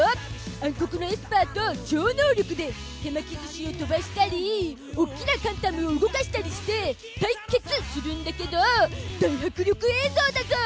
暗黒のエスパーと超能力で手巻き寿司を飛ばしたり大きなカンタムを動かしたりして対決するんだけど大迫力映像だゾ！